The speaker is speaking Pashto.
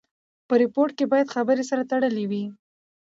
په ریپورټ کښي باید خبري سره تړلې وي.